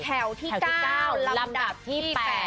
แถวที่๙ลำดับที่๘